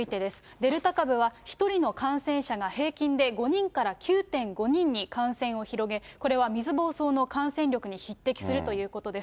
デルタ株は１人の感染者が平均で５人から９．５人に感染を広げ、これは水ぼうそうの感染力に匹敵するということです。